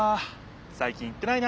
さい近行ってないな。